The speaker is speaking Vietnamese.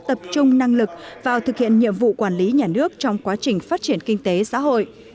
tập trung năng lực vào thực hiện nhiệm vụ quản lý nhà nước trong quá trình phát triển kinh tế xã hội